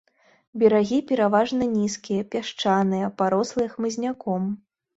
Берагі пераважна нізкія, пясчаныя, парослыя хмызняком.